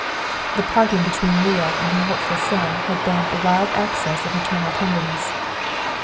The parting between Leah and her hopeful son had been a wild access of maternal tenderness.